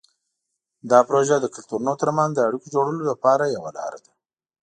دا پروژه د کلتورونو ترمنځ د اړیکو جوړولو لپاره یوه لاره ده.